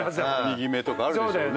右めとかあるでしょうね。